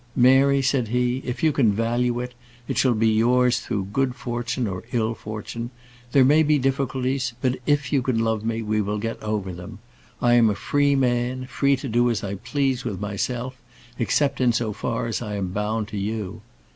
"Mary," said he, "if you can value it, it shall be yours through good fortune or ill fortune. There may be difficulties; but if you can love me, we will get over them. I am a free man; free to do as I please with myself, except so far as I am bound to you.